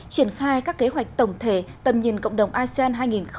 triển khai các kế hoạch tổng thể tầm nhìn cộng đồng asean hai nghìn hai mươi năm